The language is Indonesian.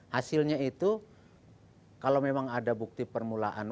hasilnya itu kalau memang ada bukti permulaan